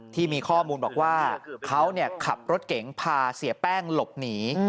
ที่มีข้อมูลบอกว่าเขาขับรถเก๋งพาเสียแป้งหลบหนี